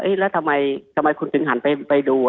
แล้วทำไมคุณจึงหันไปดู